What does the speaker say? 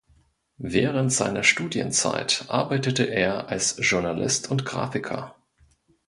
Während seiner Studienzeit arbeitete er als Journalist und Grafiker.